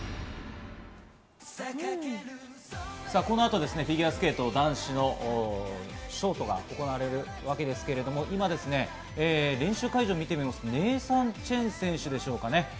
この後、フィギュアスケート男子のショートが行われるわけですが、今、練習会場を見てみますと、ネイサン・チェン選手でしょうか。